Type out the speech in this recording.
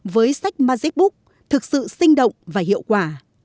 với sách magicbook thực sự sinh động và hiệu quả